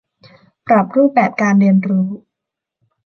ปรับรูปแบบการเรียนรู้